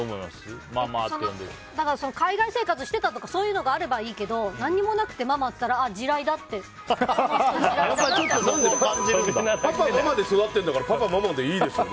海外生活してたとかそういうのがあればいいけど何もなくてママって言ったらパパ、ママで育ってるんだからパパ、ママでいいでしょ。